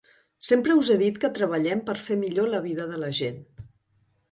Sempre us he dit que treballem per fer millor la vida de la gent.